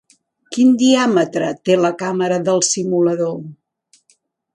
Quin diàmetre té la càmera del simulador?